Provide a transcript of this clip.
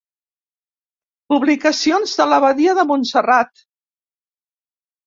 Publicacions de l'Abadia de Montserrat.